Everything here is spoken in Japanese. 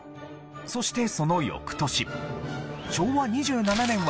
そしてその翌年昭和２７年は３連休に。